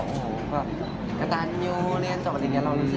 แบบกระตานยูเรียนจบอะไรอย่างเงี้ย